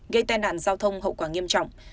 gây tai nạn giao thông hậu quả nghiêm trọng